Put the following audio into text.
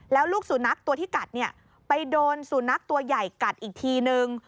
แล้วลูกสุนัขตัวที่กัดเนี่ยไปโดนสุนัขตัวใหญ่กัดอีกทีนึง